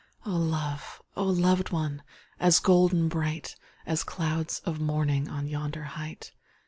Oh love! oh loved one! As golden bright, As clouds of morning On yonder height!